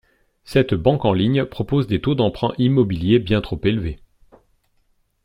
Cette banque en ligne propose des taux d’emprunt immobilier bien trop élevés.